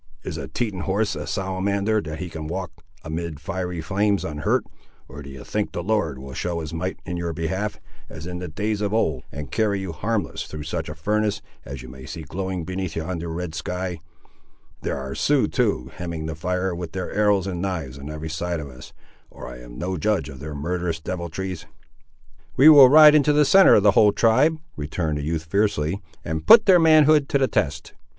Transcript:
Is a Teton horse a salamander that he can walk amid fiery flames unhurt, or do you think the Lord will show his might in your behalf, as in the days of old, and carry you harmless through such a furnace as you may see glowing beneath yonder red sky? There are Siouxes, too, hemming the fire with their arrows and knives on every side of us, or I am no judge of their murderous deviltries." "We will ride into the centre of the whole tribe," returned the youth fiercely, "and put their manhood to the test."